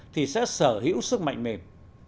thì sẽ sở hữu sức mạnh mềm